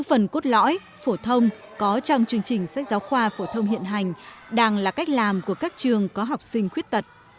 phần cốt lõi phổ thông có trong chương trình sách giáo khoa phổ thông hiện hành đang là cách làm của các trường có học sinh khuyết tật